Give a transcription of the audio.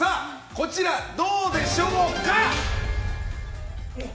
こちら、どうでしょうか。